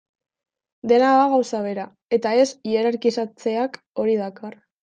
Dena da gauza bera, eta ez hierarkizatzeak hori dakar.